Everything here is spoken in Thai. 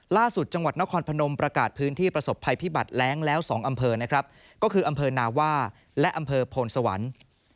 จังหวัดนครพนมประกาศพื้นที่ประสบภัยพิบัติแร้งแล้ว๒อำเภอนะครับก็คืออำเภอนาว่าและอำเภอโพนสวรรค์